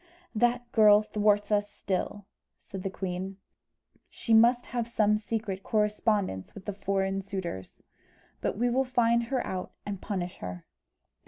"That girl thwarts us still," said the queen. "She must have some secret correspondence with foreign suitors. But we will find her out and punish her."